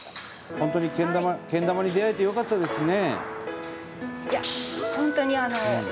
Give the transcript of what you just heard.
本当にけん玉に出会えてよかったですね。